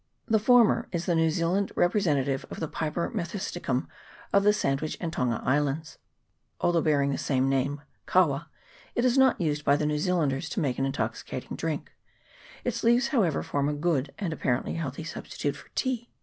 The former is the New Zea land representative of the Piper methisticum of the Sandwich and Tonga Islands: although bearing the same name kawa it is not used by the New Zealanders to make an intoxicating drink : its leaves, however, form a good and ap parently healthy substitute for tea.